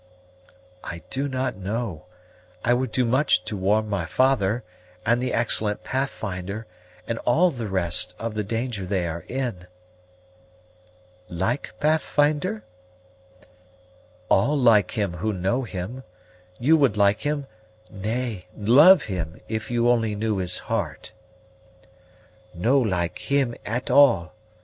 "I do not know; I would do much to warn my father, and the excellent Pathfinder, and all the rest, of the danger they are in." "Like Pathfinder?" "All like him who know him you would like him, nay, love him, if you only knew his heart!" "No like him at all.